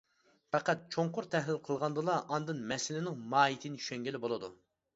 پەقەت چوڭقۇر تەھلىل قىلغاندىلا ئاندىن مەسىلىنىڭ ماھىيىتىنى چۈشەنگىلى بولىدۇ.